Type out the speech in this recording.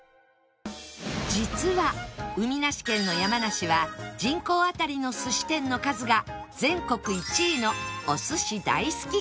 実は海なし県の山梨は人口あたりの寿司店の数が全国１位の